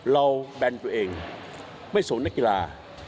แบนตัวเองไม่สวมนักกีฬา